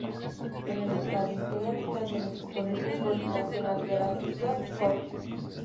Es el estadio sede habitual del equipo de fútbol "nacional" de las Islas Cook.